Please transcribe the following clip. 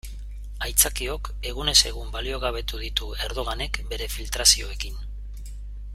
Aitzakiok egunez egun baliogabetu ditu Erdoganek bere filtrazioekin.